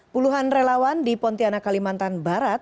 puluhan relawan di pontianak kalimantan barat